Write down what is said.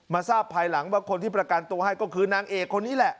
ทราบภายหลังว่าคนที่ประกันตัวให้ก็คือนางเอกคนนี้แหละ